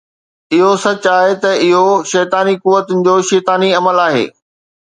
اهو سچ آهي ته اهو شيطاني قوتن جو شيطاني عمل آهي